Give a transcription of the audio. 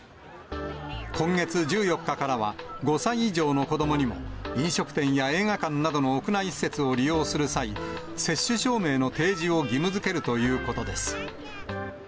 今月１４日からは、５歳以上の子どもにも、飲食店や映画館などの屋内施設を利用する際、接種証明の提示を義務づけるということです。